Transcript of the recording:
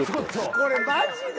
これマジで？